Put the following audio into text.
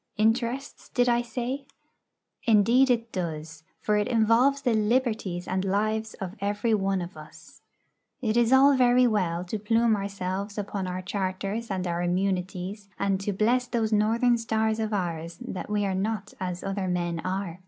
Interests, did I say? Indeed it does, for it involves the liberties and lives of every one of us. It is all very well to plume ourselves upon our charters and our immunities, and to bless those Northern stars of ours that we are not as other men are.